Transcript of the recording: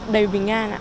đầy bình an ạ